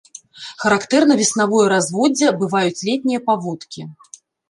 Характэрна веснавое разводдзе, бываюць летнія паводкі.